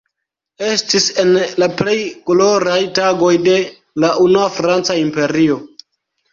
Estis en la plej gloraj tagoj de la unua franca imperio.